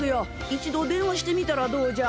一度電話してみたらどうじゃ？